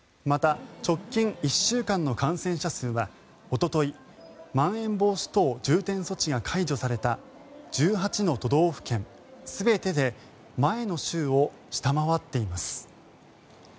また、直近１週間の感染者数はおとといまん延防止等重点措置が解除された１８の都道府県全てで前の週を下回っています。